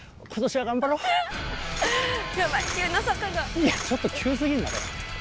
いやちょっと急過ぎんだろ。